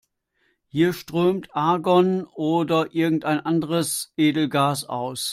Hier strömt Argon oder irgendein anderes Edelgas aus.